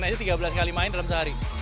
jadi tiga belas kali main dalam sehari